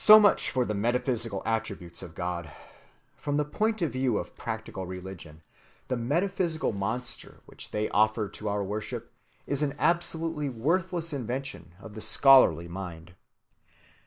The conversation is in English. So much for the metaphysical attributes of God! From the point of view of practical religion, the metaphysical monster which they offer to our worship is an absolutely worthless invention of the scholarly mind.